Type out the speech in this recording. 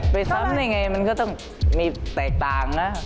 ไปซ้ำได้ไงมันก็ต้องมีแตกต่างนะ